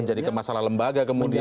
menjadi masalah lembaga kemudian ya